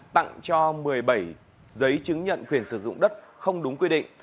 tặng cho một mươi bảy giấy chứng nhận quyền sử dụng đất không đúng quy định